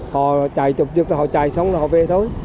họ chạy chụp dược rồi họ chạy xong rồi họ về thôi